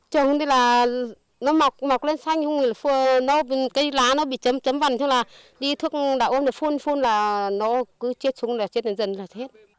trời hôm nay là nó mọc lên xanh cây lá nó bị chấm vằn đi thuốc đạo ôn phun phun là nó cứ chết xuống chết đến dần là hết